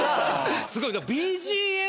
すごい。